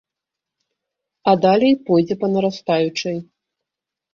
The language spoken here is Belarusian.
А далей пойдзе па нарастаючай.